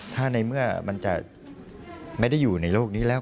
ถ้าในเมื่อมันจะไม่ได้อยู่ในโลกนี้แล้ว